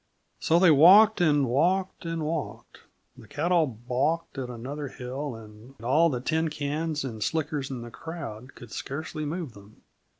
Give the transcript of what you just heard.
So they walked and walked and walked. The cattle balked at another hill, and all the tincans and slickers in the crowd could scarcely move them.